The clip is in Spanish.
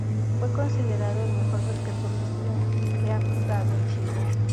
Fue considerado el mejor basquetbolista que ha jugado en Chile.